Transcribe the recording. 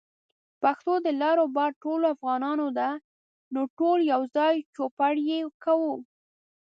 پښتو د لر او بر ټولو افغانانو ده، نو ټول يوځای چوپړ يې کوو